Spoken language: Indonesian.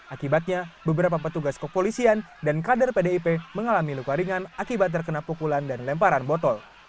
akibatnya beberapa petugas kepolisian dan kader pdip mengalami luka ringan akibat terkena pukulan dan lemparan botol